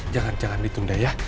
jangan jangan ditunda ya